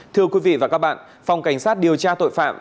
thưa quý vị và các bạn phòng cảnh sát điều tra tội phạm